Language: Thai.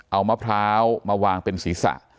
เอามะพร้าวมาวางเป็นศีรษะ